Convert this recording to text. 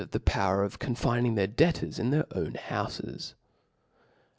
of the power of conGning thcic debtors in their (0 sc« own houfesf.